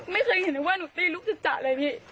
ไม่เคยเห็นว่าหนูตีลูกจัดจัดเลยพี่